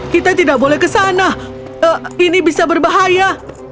kita tidak boleh ke sana ini bisa berbahaya